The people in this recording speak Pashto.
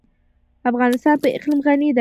افغانستان په اقلیم غني دی.